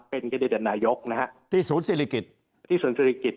เป็นคันดิเดตนายกนะฮะที่ศูนย์ศิริกิจที่ศูนย์ศิริกิจ